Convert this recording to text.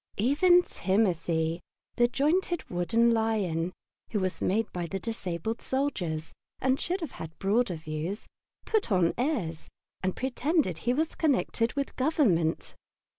Even Timothy, the jointed wooden lion, who was made by the disabled soldiers, and should have had broader views, put on airs and pretended he was connected with Government.